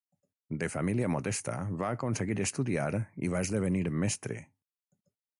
De família modesta va aconseguir estudiar i va esdevenir mestre.